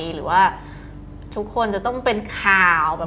หรือว่าทุกคนจะต้องเป็นข่าว